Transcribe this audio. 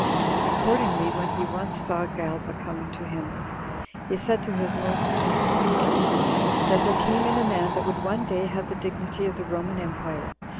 Accordingly, when he once saw Galba coming in to him, he said to his most intimate friends, that there came in a man that would one day have the dignity of the Roman empire.